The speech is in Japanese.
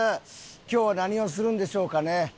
今日は何をするんでしょうかね？